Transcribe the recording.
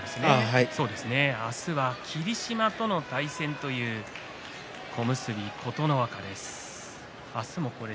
明日は霧島との対戦という小結琴ノ若です。